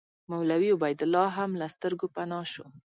مولوي عبیدالله هم له سترګو پناه شو.